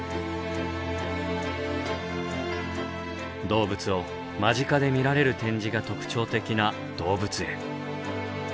動物を間近で見られる展示が特徴的な動物園。